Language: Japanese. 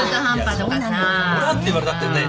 「ほら」って言われたってね。